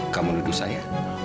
kamu nuduh saya